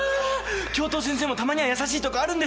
教頭先生もたまには優しいとこあるんですね。